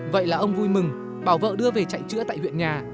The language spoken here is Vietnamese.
vậy là ông vui mừng bảo vợ đưa về chạy chữa tại huyện nhà